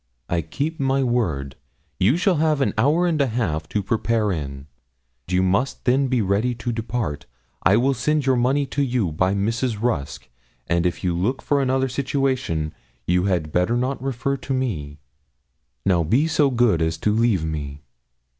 I keep my word. You shall have an hour and a half to prepare in. You must then be ready to depart. I will send your money to you by Mrs. Rusk; and if you look for another situation, you had better not refer to me. Now be so good as to leave me.'